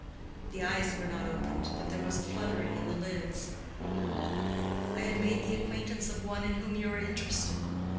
The eyes were not opened, but there was a fluttering in the lids. "I had made the acquaintance of one in whom you are interested."